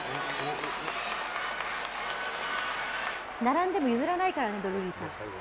並んでも譲らないからね、ドルーリーさん。